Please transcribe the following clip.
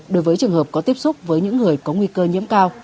đối với trường hợp có tiếp xúc với những người có nguy cơ nhiễm cao